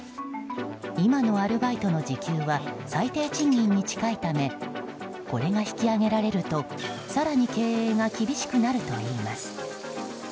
今のアルバイトの時給は最低賃金に近いためこれが引き上げられると更に経営が厳しくなるといいます。